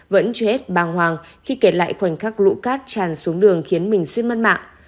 vẫn chết băng hoàng khi kể lại khoảnh khắc lũ cát tràn xuống đường khiến mình suy mất mạng